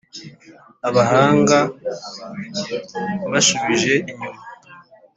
abahanga mbashubije inyuma,